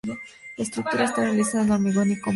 La estructura está realizada en hormigón y composite.